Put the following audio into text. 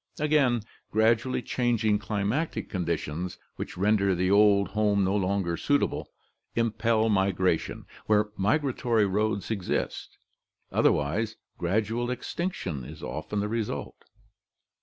Again, grad ually changing climatic conditions, which render the old home no longer suitable, impel migration where migratory roads exist, otherwise gradual extinction is often the result.